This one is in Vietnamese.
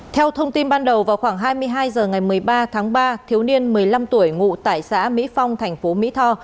theo thông tin ban đầu vào khoảng hai mươi hai h ngày một mươi ba tháng ba thiếu niên một mươi năm tuổi ngụ tại xã mỹ phong thành phố mỹ tho